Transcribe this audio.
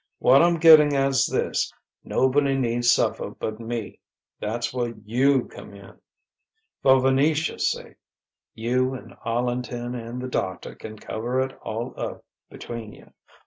What I'm getting at's this: nobody need suffer but me. That's where you come in. For Venetia's sake. You and Arlington and the doctor can cover it all up between you.